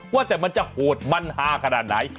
ว่าแต่มันจะโหดมันฮาขนาดไหน